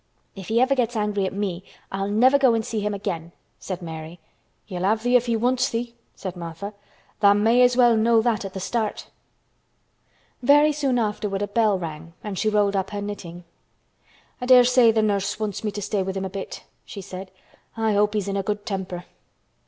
"If he ever gets angry at me, I'll never go and see him again," said Mary. "He'll have thee if he wants thee," said Martha. "Tha' may as well know that at th' start." Very soon afterward a bell rang and she rolled up her knitting. "I dare say th' nurse wants me to stay with him a bit," she said. "I hope he's in a good temper."